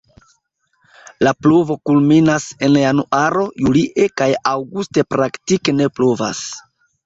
La pluvo kulminas en januaro, julie kaj aŭguste praktike ne pluvas.